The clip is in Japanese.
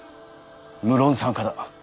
無論参加だ。